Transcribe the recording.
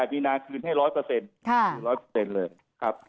๑๘มีนาคืนให้๑๐๐เลยครับ